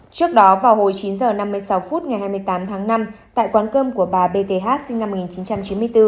trước đó vào hồi chín h năm mươi sáu phút ngày hai mươi tám tháng năm tại quán cơm của bà bt sinh năm một nghìn chín trăm chín mươi bốn